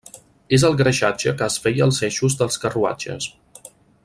És el greixatge que es feia als eixos dels carruatges.